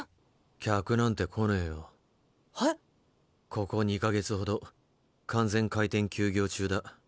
ここ２か月ほど完全開店休業中だ。